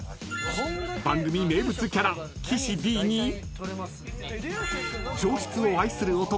［番組名物キャラ岸Ｄに上質を愛する男